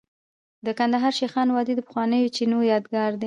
د کندهار شیخانو وادي د پخوانیو چینو یادګار دی